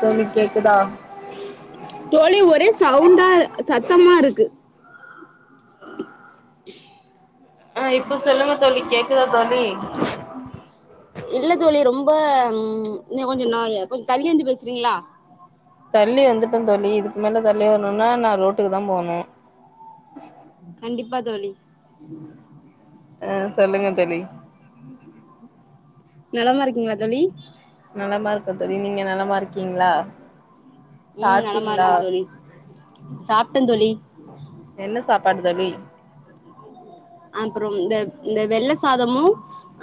தோழி கேக்குதா தோழி ஒரே சவுண்டா சத்தமா இருக்கு [unintelligible] ஆஹ இப்ப சொல்லுங்க தோலி கேக்குதா தோலி இல்ல தோழி ரொம்ப நீ கொஞ்சோ நாயே கொஞ்சோ தள்ளி வந்து பேசுறீங்களா தள்ளி வந்துட்ட தோழி இதுக்கு மேல தள்ளி வரணும்னா நா ரோட்டுக்கு தா போனு கண்டிப்பா தோழி அஹ சொல்லுங்க தோழி நலமா இருக்கீங்களா தோழி நலமா இருக்க தோழி நீங்க நலமா ருக்கீங்களா உம் நலமா இருக்கோ தோழி சாப்ட்டன் தோழி என்ன சாப்பாடு தோழி அப்புறம் இந்த இந்த வெள்ள சாதமும்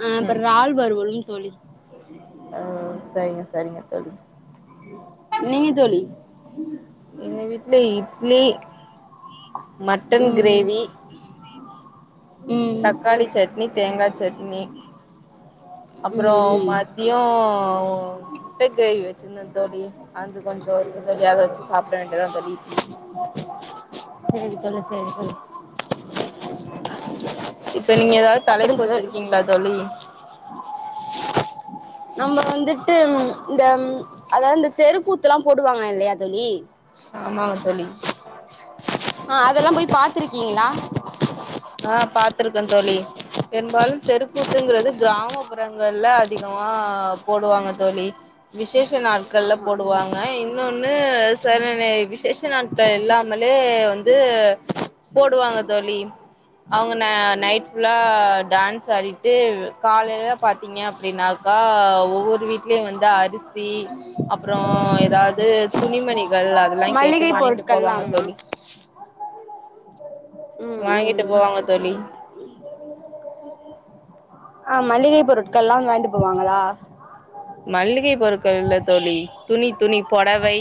அஹ் அப்புறம் றால் வருவல் தோழி ஆஹ் சரிங்க சரிங்க தோழி நீங்க தோழி எங்க வீட்ல இட்லி மட்டன் ம் கிரேவி ம் தக்காளி சட்னி தேங்கா சட்னி ம் அப்புறம் ம். மதியம் முட்ட கிரேவி வச்சிருந்த தோழி அந்து கொஞ்சம் ருக்கு கலியாக வச்சு சாப்ட வேண்டியதான் தோழி சரி தோழி சரி தோழி இப்ப நீங்க எதாவது அப்புறம் தலைப்பு தோ- வெச்சிருக்கீங்களா தோழி நம்ம வந்துட்டு ம் இந்த ம்ம் அதாவது இந்த தெருக்கூத்துலாம் போடுவாங்க இல்லையா தோழி ஆமாங்க தோழி ஆஹ் அதெல்லாம் போய் பாத்துருக்கீங்களா ஆஹ் பாார்த்திருக்கேன் தோழி பெரும்பாலும் தெருக்கூத்துங்கறது கிராமப்புறங்கள்ல அதிகமா போடுவாங்க தோழி விசேஷ நாட்கள்ல ஆமா ம் போடுவாங்க இன்னொன்னு ச விசேஷ நாட்கள் இல்லாமலே வந்து போடுவாங்க தோழி அவங்க ந நைட் ஃபுல்லா டான்ஸ் ஆடிட்டு காலைல பாத்தீங்க அப்படின்னாக்கா ஒவ்வொரு வீட்லயும் வந்து அரிசி அப்புறம் எதாவது துணிமணி கள் அதெல்லாம் கேட்டு மளிகை வாங்கிட்டு பொருட்கள்லா போவாங்க ஆமா தோழி உம் உம் வாங்கிட்டு போவாங்க தோழி [inaudible] ஆஹ் மல்லிகை போரு க்கெல்லாம் வாண்டி போவாங்களா ல்ல தோழி துணி துணி பொடவை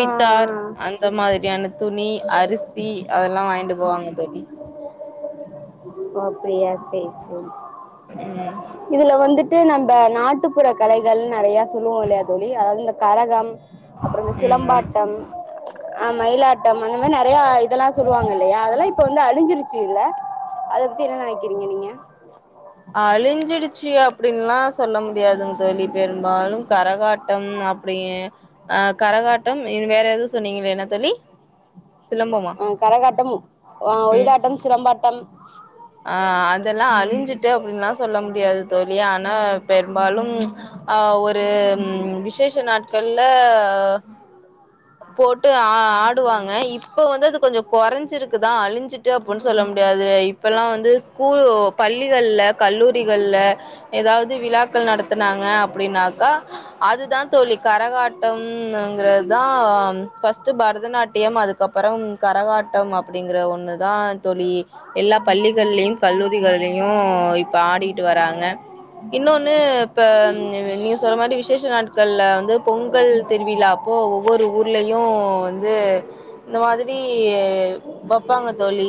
ஆ ஆ அந்த மாதிரியான துணி அரிசி அதெல்லாம் வாங்கிட்டு போவாங்க தோழி ஓ‌ அப்டியா சேரி சேரி ம் இதுல வந்துட் டு நம்ப நாட்டுப்புற கலைகள் நெறயா சொல்லுவோம் இல்லையா தோழி அந்த கரகம் அப்புறம் இந்த ம் ஆமா சிலம்பாட்டம் அஹ் மயிலாட்டம் அந்த மாரி நற யா இதெல்லாம் சொல்லுவாங்க இல்லையா அதெல்லாம் இப்ப வந்து அழிஞ்சிருச்சு ல்ல அத பத்தி என்ன நெனைக்கிறீங்க நீங்க அழிஞ்சிடுச்சு அப்படின்ல்லாம் சொல்ல முடியாதுங்க தோழி பெரும்பாலும் கரகாட்டம் அப்படி அஹ் கரகாட்டம் வேற எது சொன்னீங்கள என்ன தோழி சிலம்பமா ஆஹ் கரகாட்டம் அஹ் ம் ஒயிலாட்டம் சிலம்பாட்டம் ஆ அதெல்லா அழிஞ்சிட்டு அப்டின்ளா சொல்ல முடியாது தோழி ஆனா பெரும்பாலும் அ ஒரு விசேஷ நாட்கள்ல போட்டு ஆ ஆடுவாங்க இப்ப வந்து அது கொஞ்சோ கொறஞ்சிருக்குதா அழிஞ்சிட்டு அப்பன்‌ சொல்ல முடியாது ப்பல்லா வந்து ஸ்கூ பள்ளிகள்ல கல்லூரி கள்ல ஏதாவது விழாக்கள் நடத்துனாங்க அப் ப்டின்னாக்கா அதுதா தோழி கரகாட்டம்ங்கிறதா ஃபஸ்ட்டு பரதநாட்டியம் அதுக்கப்பறம் கரகாட்டம் அப்டிங்கிற ஒன்னு தா தோழி பள்ளிகள்லியு கல்லூரிகள்யு யூ இப்ப ஆடிட்டு வராங்க இன்னொன்னு ப்ப [unintelligible] [unintelligible] மாதிரி விசேஷ நாட்கள்ல வந்து பொங்கல் திருவிழா அப்போ ஒவ்வொரு ஊர்லயு வந்து இந்த மாதிரி வெப்பாங்க தோழி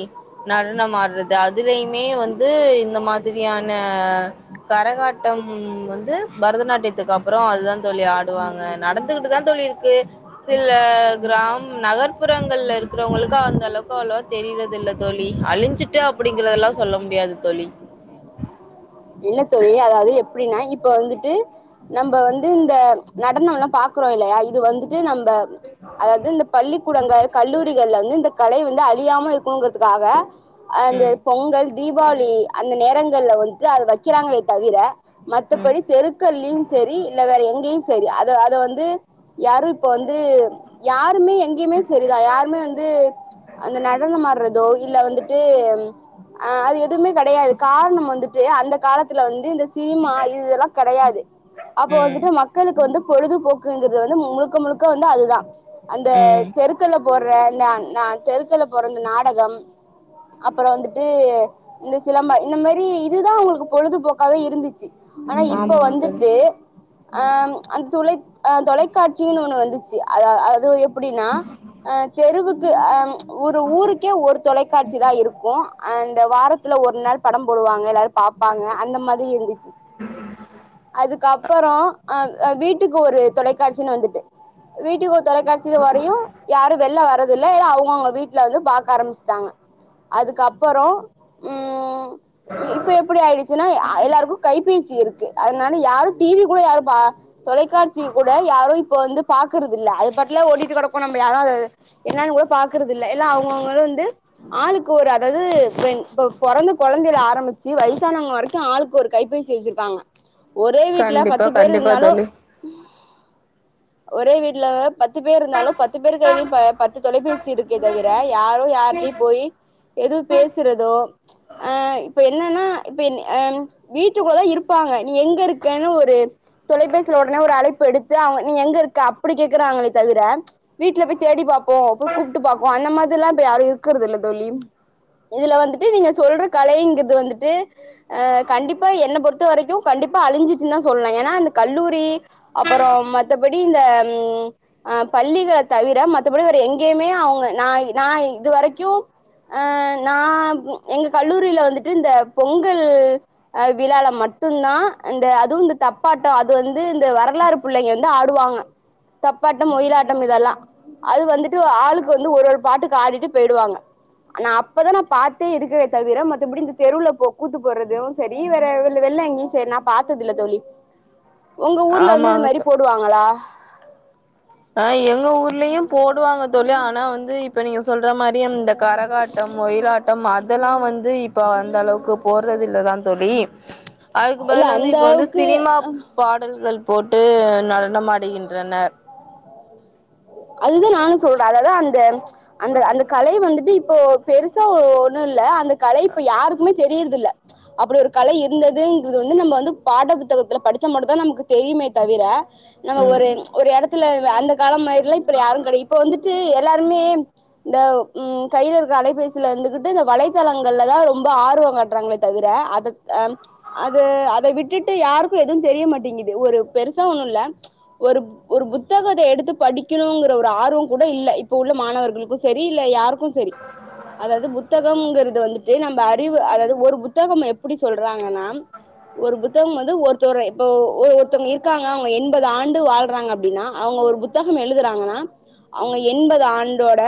நடனம் மாடுற அதுலயுமே வந்து இந்த மாதிரியான கரகாட்டம் வந்து பரதநாட்யத்துக்கப்பறோ அதா தான் தோழி ஆடுவாங்க நடந்துகுட்டு தா தோழி இருக்கு சில கிராம் நகர்ப்புறங்கள்ல இருக்குறவங்களுக்கு அந்த அளவ்க்கு அவ்ளவா தெரிரதில்ல தோழி அழிஞ்சு ட்டு அப்டிங்கிறதெல்லா சொல்ல முடியாது தோழி ப்ப வந்துட்டு நம்ம வந்து இந்த நடனோல்லா பாக்குறோ இல்லயா இது வந்துட்டு நம் ப்ப ம்ச் அதாது இந்த பள்ளிக்குடங்க கல்லூரிகள்ல வந்து இந்த கலை வ அழியாம இருக்குங்கறதுக்காக அந்த ம் பொங்கல் தீபாளி அந்த நேரங் [unintelligible] அது வக்கிறாங்களே தவிர ம் மத்தபடி தெருக்கல்லியு செரி இல்ல வேற எங் செரி அத அத வந்து யாரு ப்போ ந்து யாருமே எங்யுமே செரிதா யாருமே வந்து அந்த நடனமாட்றதோ இல்ல வந்துட்டு ஆ அது துமே கெடையாது காரணம் வந்து அந்த காலத்துல ந்து இந்த சினிமா இதுல்லா கெடயாது அப்ப ம் வந்துட்டு மக்களுக்கு வந்து பொழுதுபோக்குங்கு து வந்து முழுக்க முழுக்க வந்து அதுதா அந்த ம் தெருக்கல்ல போர்ர நா நா தெருக்கல்ல போற இந்த நாடகம் அப்பறோ வந்துட்டு இந்த சிலம்பா இந்த மேரி துதா [unintelligible] பொழுதுபோக்காவே இருந்துச்சு ஆனா இப்ப ஆமாங்க தோழி வந்துட்டு ஆ அந் துலை அ தொலைக்காட்சினு ஒண்ணு வந்து [unintelligible] ப்புடீன்னா தெருவுக் [unintelligible] உரு ஊருக்கே ஒரு தொலைக்காட்சி தா இருக்கு அந் த வாரத்துல ஒரு நாள் படம் போடுவாங்க ல்லாரு பாப்பாங்க அந்த மதி இருந்துச்சி அதுக்கப்பறோ ஆ வீட்டுக்கு ஒரு தொலைக்காட்சின்னு வந்துட்டு வீட் தொலைக்காட்சியில வரையும் யாரும் வெளில வர்றது இல்ல அவங்க அவங்க வீட்டில் வந்து பார்க்க ஆரம்பிச்சட்டாங்க அதுக்கப்புறம் ம் இ இப்ப எப்படி ஆயிடுச்சுன்னா எல்லாருக்கும் கைபேசி இருக்கு அதனால யாரும் டிவி கூட யாரும் தொலைக்காட்சி கூட யாரும் இப்ப வந்து பாக்குறதில்ல அது பாட்ல ஓடிட்டு கிடக்கும் நம்ம யாரும் என்னன்னு கூட பாக்குறதுில்ல்ல அவங்கவுங்களும் வந்து ஆளுக்கு ஒரு அதாவது இந்த குழந்தை ஆரம்ப வயசானவம் வரைக்கும் ஆளுக்கு ஒரு கைப்பேசி வச்சிருக்காங்க ஒரே வீட்ல கண்டிப்பா பத்து பேர் கண்டிப்பா இருந்தாலும் தோழி ஒரே வீட்டல பத்து பேர் இருந்தாலும் பத்து பேரு கையிலும் பத்து தொலைபேசி இருக்கு தவிர யாரும் யார்கிட்டையும் போய் எதுவும் பேசுறதோ ஆ இப்ப என்னன்னா இப்ப வீட்டுக்குள்ள தான் இருப்பாங்க நீ எங்க இருக்கன்னு ஒரு தொலைபேசியில உடனே ஒரு அழைப்பு எடுத்து நீ எங்க இருக்க அப்படி கேக்குராங்கல தவிர வீட்ல போய் தேடி பார்ப்போம் போய் கூப்பிட்டு பாரோம் அந்த மாதிரில்லாம் இ இருக்கறத இல்ல தோழி இதுல வந்துட்டு நீங்க சொல்ற கலைங்க வந்துட்டு கண்டிப்பா என்னை பொறுத்த வரைக்கும் கண்டிப்பா அழிஞ்சச்ச சொல்வ கல்லூரி அப்புறம்படி பள்ளிகளை தவிரப எங்கயுமேங்க இதுரைக்கும் எங்க கல்லூரியில வந்து இந்த பொங்கல் ஆ விழால மட்டும்தான் இந்த அதுவும் இந்த தப்பாட்டம் அது வந்து இந்த வரலாறு புள்ளைங்க வந்து ஆடுவாங்க தப்பாட்டம் ஒயிலாட்டம் இதெல்லாம் அது வந்துட்டு ஆளுக்கு வந்து ஒரு ஒரு பாட்டுக்கு ஆடிட்டு போயிடுவாங்க ஆனா அப்பதான் நான் பாார்த்தே இருக்கிறே தவிர மத்தபடி தெருவுல போ கூத்து போட்றது சரி வேற வெ வெளில எங்கயும் சரி நான் பார்த்து இல்ல தோழி உங்க ஊர்ல வந்து இது ஆமாங்க மாதிரி போடுவாங்களா ஆஹ் எங்க ஊர்லயும் போடுவாங்க தோழி ஆனா வந்து இப்ப நீங்க சொல்ற மாதிரி இந்த கரகாட்டம் ஒயிலாட்டம் அதெல்லாம் வந்து இப்ப அந்த அளவுக்கு போடுறது இல்லதா தோழி அதுக்கு இல்ல பதில் வந்து அந்த இப்போ வந்து அளவுக்கு சினிமா பாடல்கள் போட்டு நடனமாடுகின்றனர் அதுதா நானும் சொல்றே அததா அந்த அந்த அந்த கலை வந்துட்டு இப் இப்போ பெருசா ஒண்ணு இல்ல அந்த கலைப்பு யாருக்குமே தெரியறத இல்ல அப்படி ஒரு கலை இருந்ததுங்கது வந்து நம்ம வந்து பாட புத்தகத்துல படிச்ச மட்டும் தா நமக்கு தெரியுமே தவிர நம்ம ம் ஒரு ஒரு இடத் அந்த காலம் மாதிரில இப் யாரும் கிடையது இப்ப வந்துட்டு எல்லாருமே இந்த கைல இருக்க அலைபேசியில இருந்துகிட்டு இந்த வலைத்தளங்கள்ல தா ரொம்ப ஆர்வம் காட்டுறாங்களே தவிர அத அது அத விட்டுட்டு யாருக்கும் எதுவும் தெரிய மாட்டேங்குது ஒரு பெருசா ஒண்ணும் இல்ல ஒரு ஒரு புத்தகத்த எடுத்து படிக் ணங்கற ஒரு ஆர்வம் கூட இல்ல இப்ப உள்ள மாணவர்களுக்கும் சரி இல்ல யாருக் சரி அதாவது புத்தகம்ங்கறிறது வந்துட்டு நம்ம அ அறிவு அதாவது ஒரு புத்தகம் எப்படி சொல்றாங்கன்னா ஒரு புத்தகம் வந்து ஒருதங்க இபோ இருக்காங்க எண்பது ஆண்டு வாழ்றாங்க அப்படினா அவங்க புத்தகம் எழுதுறாங்கன்னா அவங்க எண்பது ஆண்டோட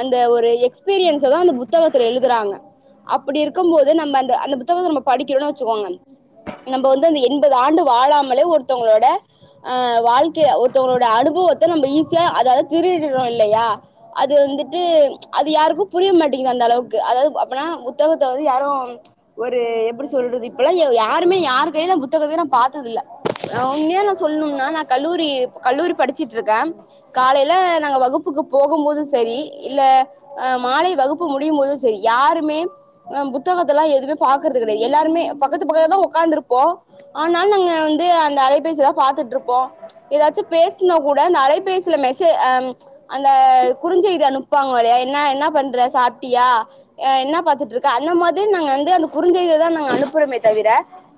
அந்த ஒரு எக்ஸ்பீரியன்ஸ் தா அந்த புத்தகத்தில் எழுதுறாங்க அப்படி இருக்கும்போது நம்ம அந்த புத்தக படிக்கிறோ வச்சுக்கோ நம்ம வந்து எண்பது ஆண்டு வாழாமலே ஒருத்தங்களோட வாழ்க்கைய ஒருத்தங்களோட அனுபவத்த நம்ம ஈஸியா அதா திருடுறோம் இல்லையா அது வந்துட்டு அது யாருக்கும் புரிய மாட்டேங்குது அந்த அளவுக்கு அதாவது அப்பனா புத்தகத்த வந்து யாரும் ஒரு எப்படி சொல்றது இப்பல்ல யாருமே யாரு கைலயும் புத்தகத்தமே நா பாார்த்ததில்ல உண்மைய நா சொல்லணும்னா கல்லூரி கல்லூரி படிச்சு இருக்க காலையில நாங்க வகுப்புக்கு போகும்போதும் சரி இல்ல மாலை வகுப்பு முடியும் போதும் சரி யாருமே புக் புத்தகத்தல்லாம் எதுவுமே பாக்குறது கிடையாது எல்லாருமே பக்கத்து பக்கத்து தா உட்காந்து இருப்போம் ஆனால் நாங்க வந்து அந்த அலைபேசி தா பாத்துட்டு இருப்போம் ஏதாச்சு பேசுனா கூட அலைபேசில மெசேஜ் ஆஹ் அந்த குறுஞ்செய்தி அனுப்புவாங்க இல்ல என்ன என்ன பண்ற சாப் டியா என்ன பாத்துட்டு இருக்க அந்த மாதி நாங்க வந்து அந்த குறுஞ்செய்திய தா நாங்க அனுப்புறோமே தவிர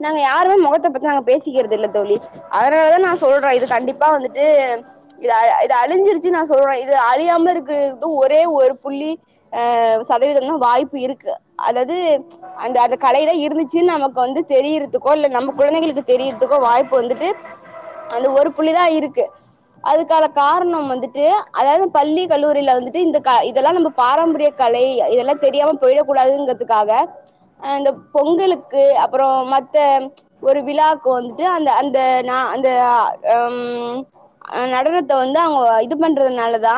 நாங்க யாருமே முகத்த பாத்து பேசுகிறது இல்ல தோழி அதனாலதா நா சொல்றே இது கண்டிப்பா இப்பா வந்துட்டு இது அ இது அழிஞ்சிருச்சு நா சொல்றே இது அழியாம இருக்கிறதுக்கு ஒரே ஒரு புள்ளி அஹ் சதவீதம் தா வாய்ப்பு இருக்கு அதாது து அந்த அந்த கலையில இருந்துச்சுன்னு நமக்கு வந்து தெரியறதுக்கோ இல்ல நம்ம கொழந்தைங்களுக்கு தெரியறதுக்கோ வாய்ப்பு வந்துட்டு அந்த ஒரு புள்ளிதா இருக்கு அதுக்கான காரணம் வந்துட்டு அதாவது பள்ளி கல்லூரில வந்துட்டு இந்த க இதெல்லா நம்ப பாரம்பரிய கலை இதெல்லா தெரியாம போயிடக் கூடாதுங்கற்துக்காக அ அந்தப் பொங்கலுக்கு அப்பறொ மத்த ஒரு விழாக்கு வந்துட்டு அந்த அந்த நா அந்த ஆ அம் அ நடனத்த வந்து அவுங்க இது பண்றதுனாலதா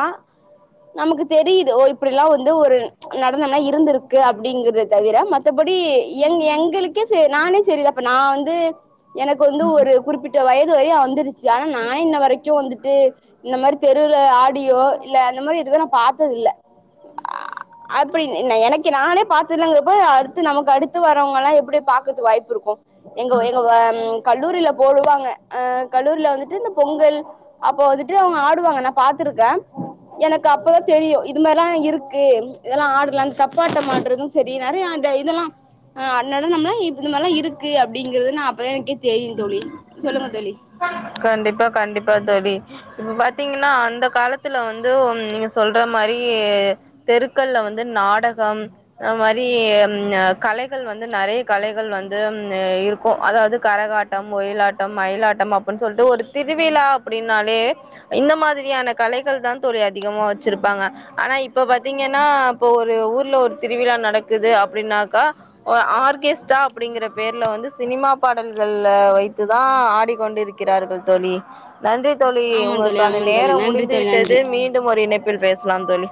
நமக்கு தெரியுது ஓ இப்டிலா வந்து ஒரு நடனம்லா இருந்துருக்கு அப்டிங்கிறதவிர மத்தபடி எங் எங்களுக்கே சே நானே சரிதா ப்ப நா வந்து எனக் வந்து ஒரு குறிப்பிட்ட வய [unintelligible] வரயு வந்துருச்சு ஆனா நா இன்ன வரக் கு வந்துட்டு இன்ன மாரி தெருவுல ஆடியோ இல்ல அந்த மாரி எதுமே நா பாத்ததில்ல அ அப்புடி ந எனக்கு நானே பாத்தில்லங்குறப்போ அடுத்து நமக்கடுத் து வறவங்கல்லா எப்டி பாக்கர்துக்கு வாய்ப்பு இருக்கு எங்க எங்க அம் கல்லூரில போடுவாங்க அ கல்லூரில வந்துட்டு பொங்கல் அப்போ வந்துட்டு அவுங்க ஆடுவாங்க நா பா்த்திருக்க எனக்கு அப்பதா தெரியு இது மாரிலா இருக்கு இதெல்லா ஆடலாந் தப்பாட்டம் ஆடுறதும் சரி நெறய அந்த இதெல்லா அ [unintelligible] இந்த மார்லா இருக்கு அப்டிங்கிறது நா அப்பதா எனக்கே தெரியு தோழி சொல்லுங்க தோழி கண்டிப்பா கண்டிப்பா தோழி இப்ப பாத்தீங்கன்னா அந்த காலத்துல வந்து ஒன் நீங்க சொல்ற மாரி தெருக்கள்ல வந்து நாடகம் அந்மாரி அம் அ கலைகள் வந்து நறையா கலைகள் வந்து ம் இருக்கு அதாவது கரகாட் ட்டம் ஒயிலாட்டம் மயிலாட்டம் அப்புன் சொல்ட்டு ஒரு திருவிழா அப்புடின்னாலே இந்த மாதிரியான கலைகள் தான் தோழி அதிகமா வச்சிருப்பாங்க ஆனா இப்ப பாத்தீங்கன்னா இபோ ஒரு ஊர்ல ஒரு திருவிழா நடக்குது அப்டின்னாக்கா ஒ ஆர்கேஸ்டா அப்புடிங்கற பேர்ல வந்து சினிமா பாடல்கள் அ வைத்து தா ஆடிக்கொண்டிருக்கிறார்கள் தோழி நன்றி தோழி ஆமா தோழி உங்களுக்கான ஆமா தோழி நேரொ நன்றி முடிந்து தோழி விட்டது நன்றி மீண்டும் ஒரு இணைப்பில் பேசலாம் தோழி